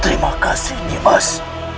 terima kasih nimas